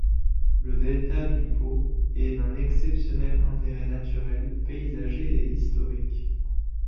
La delta du Pô est d’un exceptionnel intérêt naturel, paysager et historique.